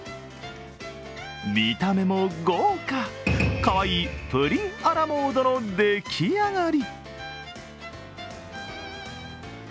見た目も豪華、かわいいプリンア・ラ・モードの出来上がり。